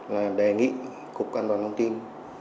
là đề nghị cục an toàn thông tin